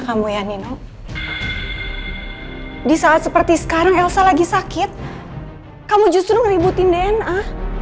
kamu ya nino di saat seperti sekarang elsa lagi sakit kamu justru ngeributin dna